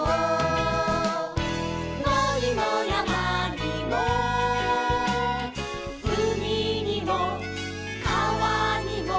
「のにもやまにもうみにもかわにも」